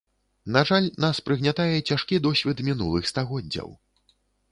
На жаль, нас прыгнятае цяжкі досвед мінулых стагоддзяў.